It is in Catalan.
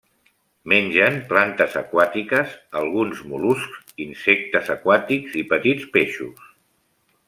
Mengen plantes aquàtiques, alguns mol·luscs, insectes aquàtics i petits peixos.